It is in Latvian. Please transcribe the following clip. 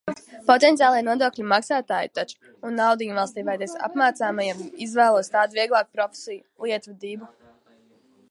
Potenciālie nodokļu maksātāji taču! Un naudiņu valstij vajadzēs. Apmācāmajam izvēlos tādu vieglāku profesiju - lietvedību.